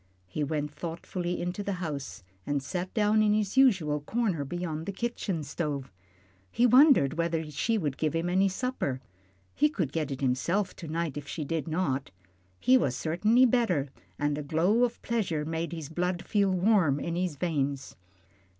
He went thoughtfully into the house and sat down in his usual corner beyond the kitchen stove. He wondered whether she would give him any supper. He could get it himself to night if she did not. He was certainly better, and a glow of pleasure made his blood feel warm in his veins.